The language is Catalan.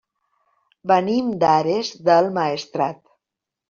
Venim d'Ares del Maestrat.